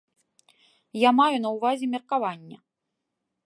Я маю на ўвазе меркаванне.